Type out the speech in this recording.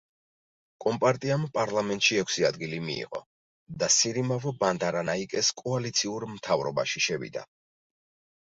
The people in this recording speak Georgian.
კომპარტიამ პარლამენტში ექვსი ადგილი მიიღო და სირიმავო ბანდარანაიკეს კოალიციურ მთავრობაში შევიდა.